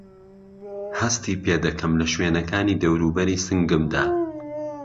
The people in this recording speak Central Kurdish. هەستی پێدەکەم له شوێنەکانی دەورووبەری سنگمدا؟